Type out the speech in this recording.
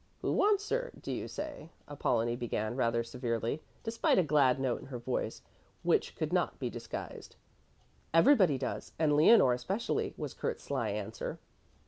"Who wants her, do you say?" Apollonie began rather severely, despite a glad note in her voice which could not be disguised. "Everybody does, and Leonore especially," was Kurt's sly answer.